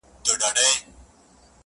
زما د افسانو د قهرمان حماسه ولیکه-